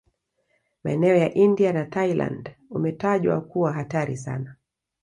Maeneo ya India na Thailand umetajwa kuwa hatari sana